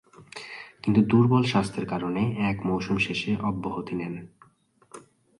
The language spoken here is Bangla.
কিন্তু দূর্বল স্বাস্থ্যের কারণে এক মৌসুম শেষে অব্যহতি নেন।